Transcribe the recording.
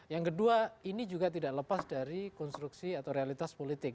yang kedua ini juga tidak lepas dari konstruksi atau realitas politik